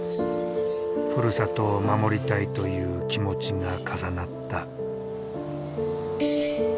ふるさとを守りたいという気持ちが重なった。